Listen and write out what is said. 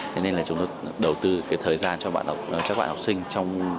thế nên chúng tôi đầu tư thời gian cho các bạn học sinh